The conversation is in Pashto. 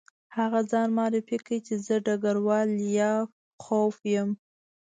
هغه ځان معرفي کړ چې زه ډګروال لیاخوف یم